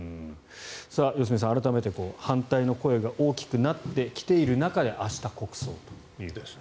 良純さん、改めて反対の声が大きくなってきている中で明日、国葬ということです。